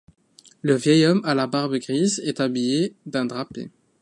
Le vieil homme à la barbe grise est habillé d'un drapé.